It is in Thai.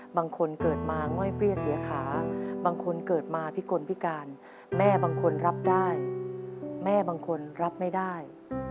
บางคนเกิดมาง่อยเปรี้ยเสียขาบางคนเกิดมาพิกลพิการแม่บางคนรับได้แม่บางคนรับไม่ได้